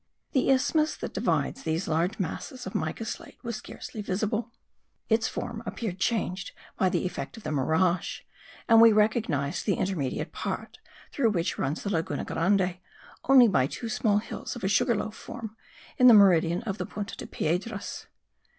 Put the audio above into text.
The isthmus that divides these large masses of mica slate was scarcely visible; its form appeared changed by the effect of the mirage and we recognized the intermediate part, through which runs the Laguna Grande, only by two small hills of a sugarloaf form, in the meridian of the Punta de Piedras.